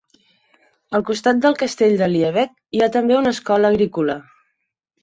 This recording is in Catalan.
A costat del Castell de Liebegg hi ha també una escola agrícola.